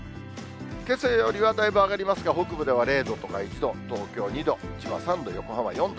けさよりはだいぶ上がりますが、北部では０度とか１度、東京２度、千葉３度、横浜４度。